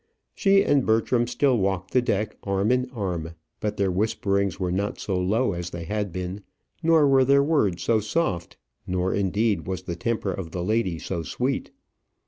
She and Bertram still walked the deck arm in arm; but their whisperings were not so low as they had been, nor were their words so soft, nor, indeed, was the temper of the lady so sweet.